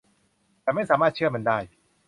ฉันไม่สามารถเชื่อมันได้.